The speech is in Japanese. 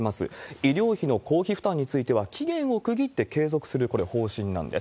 医療費の公費負担については期限を区切って継続する方針なんです。